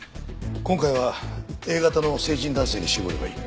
今回はＡ型の成人男性に絞ればいい。